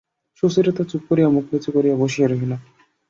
সুচরিতা চুপ করিয়া মুখ নিচু করিয়া বসিয়া রহিল।